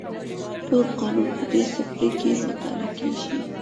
تور قانون په دې څپرکي کې مطالعه کېږي.